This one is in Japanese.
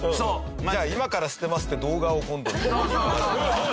じゃあ「今から捨てます」って動画を今度。